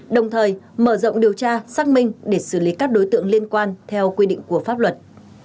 đồng thời mở rộng điều tra xác minh để xử lý các đối tượng liên quan theo quy định của pháp luật